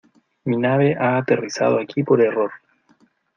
Mi nave ha aterrizado aquí por error.